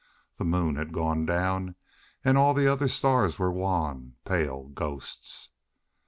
The moon had gone down and all the other stars were wan, pale ghosts.